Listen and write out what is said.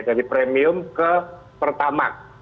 dari premium ke pertamak